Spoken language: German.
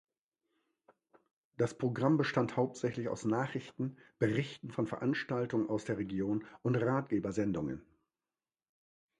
Das Programm bestand hauptsächlich aus Nachrichten, Berichten von Veranstaltungen aus der Region und Ratgeber-Sendungen.